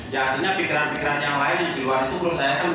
ya artinya pikiran pikiran yang lain di luar itu menurut saya kan